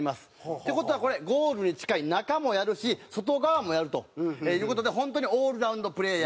って事はこれゴールに近い中もやるし外側もやるという事で本当にオールラウンドプレーヤー。